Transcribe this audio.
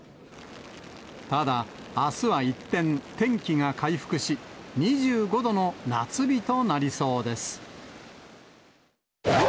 ただ、あすは一転、天気が回復し、２５度の夏日となりそうです。